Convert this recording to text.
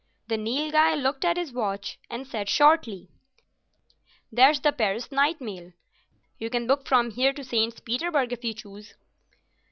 The Nilghai looked at his watch and said shortly, "That's the Paris night mail. You can book from here to St. Petersburg if you choose."